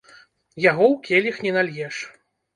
Яго ў келіх не нальеш.